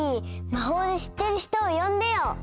まほうでしってる人をよんでよ！